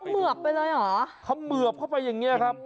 เหมือบไปเลยเหรอเขมือบเข้าไปอย่างเงี้ยครับ